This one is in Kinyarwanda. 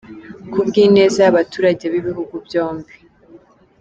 ku bw’ineza y’abaturage b’ibihugu byombi.